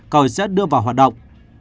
cầu sẽ đưa vào hoạt động